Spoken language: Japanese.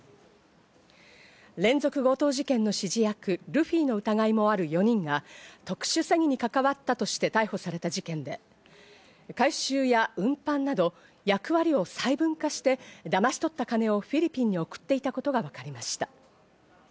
連続強盗事件の指示役、ルフィの疑いもある４人が特殊詐欺に関わったとして逮捕された事件で、回収や運搬など役割を細分化してだまし取った金をフィリピンに送っていたことがわかりました。